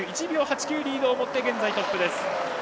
１秒８９リードを持って現在、トップです。